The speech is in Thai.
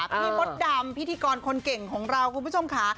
พี่มดดำพิธีกรคนเก่งของเราคุณผู้ชมค่ะ